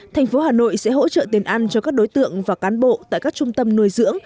thành phố hà nội sẽ hỗ trợ tiền ăn cho các đối tượng và cán bộ tại các trung tâm nuôi dưỡng